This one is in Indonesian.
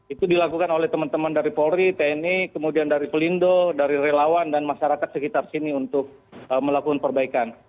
itu dilakukan oleh teman teman dari polri tni kemudian dari pelindo dari relawan dan masyarakat sekitar sini untuk melakukan perbaikan